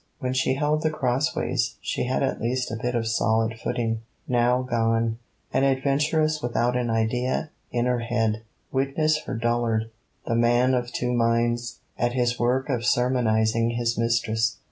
When she held The Crossways she had at least a bit of solid footing: now gone. An adventuress without an idea in her head: witness her dullard, The Man of Two Minds, at his work of sermonizing his mistress.